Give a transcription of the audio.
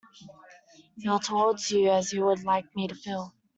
Feel towards you as you would like me to feel.